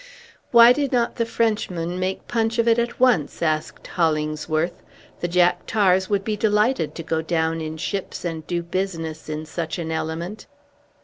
"Why did not the Frenchman make punch of it at once?" asked Hollingsworth. "The jack tars would be delighted to go down in ships and do business in such an element."